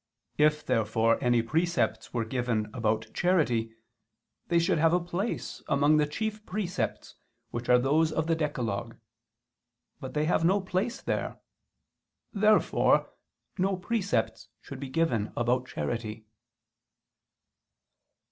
If, therefore, any precepts were given about charity, they should have a place among the chief precepts which are those of the decalogue. But they have no place there. Therefore no precepts should be given about charity.